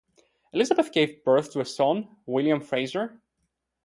Elizabeth gave birth to a son, William Frazer.